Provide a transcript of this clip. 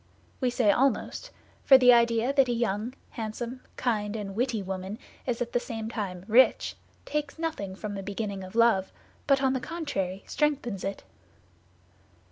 We say almost, for the idea that a young, handsome, kind, and witty woman is at the same time rich takes nothing from the beginning of love, but on the contrary strengthens it.